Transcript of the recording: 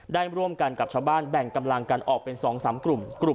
ได้ร่วมกันกับชาวบ้านแบ่งกำลังกันออกเป็น๒๓กลุ่ม